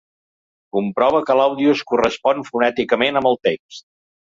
Comprove que l'àudio es correspon fonèticament amb el text.